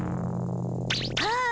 ああ！